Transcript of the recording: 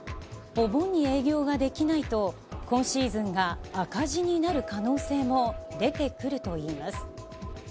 お盆に営業ができないと、今シーズンが赤字になる可能性も出てくるといいます。